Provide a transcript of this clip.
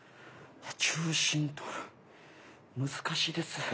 中心とる難しいです。